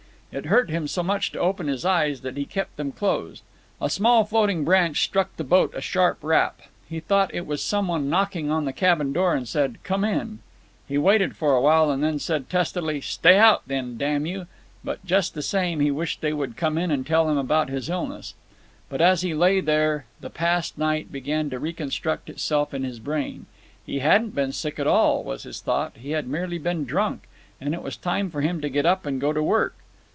It hurt him so much to open his eyes that he kept them closed. A small floating branch struck the boat a sharp rap. He thought it was some one knocking on the cabin door, and said, "Come in." He waited for a while, and then said testily, "Stay out, then, damn you." But just the same he wished they would come in and tell him about his illness. But as he lay there, the past night began to reconstruct itself in his brain. He hadn't been sick at all, was his thought; he had merely been drunk, and it was time for him to get up and go to work.